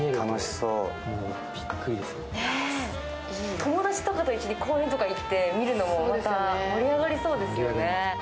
友達とかと一緒に公園に行ってみるのも、また盛り上がりそうですよね。